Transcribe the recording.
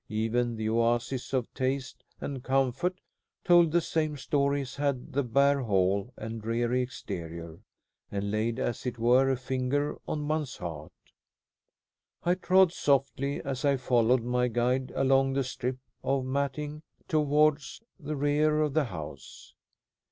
Even this oasis of taste and comfort told the same story as had the bare hall and dreary exterior, and laid as it were a finger on one's heart. I trod softly as I followed my guide along the strip of matting towards the rear of the house.